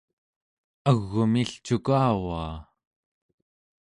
au͡g'umi-ll’ cukavaa!